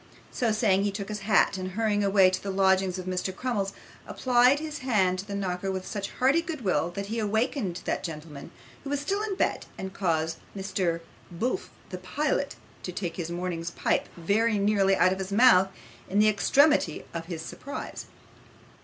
So saying, he took his hat, and hurrying away to the lodgings of Mr Crummles, applied his hand to the knocker with such hearty good will, that he awakened that gentleman, who was still in bed, and caused Mr Bulph the pilot to take his morning's pipe very nearly out of his mouth in the extremity of his surprise.